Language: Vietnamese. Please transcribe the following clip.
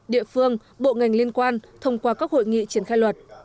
địa phương bộ ngành liên quan thông qua các hội nghị triển khai luật